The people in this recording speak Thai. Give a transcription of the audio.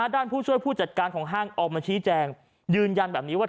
ด้านผู้ช่วยผู้จัดการของห้างอมแจงยืนยันแบบนี้ว่า